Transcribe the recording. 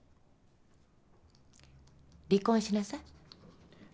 離婚しなさい。